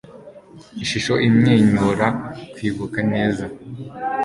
ishusho imwenyura, kwibuka neza